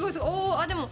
あっでも。